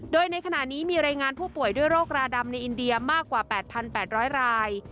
โดยในขณะนี้มีรายงานผู้ป่วยด้วยโรคราดำในอินเดียมากกว่า๘๘๐๐ราย